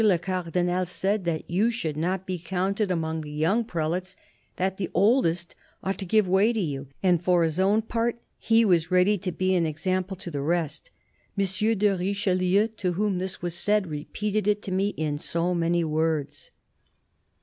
le Cardinal said that you should not be counted among the young prelates, that the oldest ought to give way to you, and that for his own part he was ready to be an example to the rest. M. de Richelieu, to whom this was said, repeated it to me in so many words."